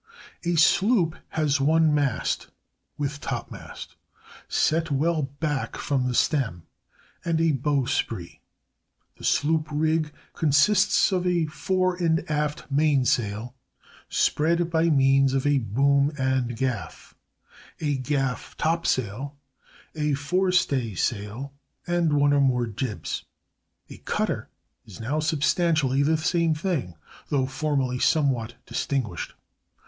A sloop has one mast (with topmast) set well back from the stem, and a bowsprit. The sloop rig consists of a fore and aft mainsail, spread by means of a boom and gaff, a gaff topsail, a forestaysail, and one or more jibs. A cutter is now substantially the same thing, though formerly somewhat distinguished.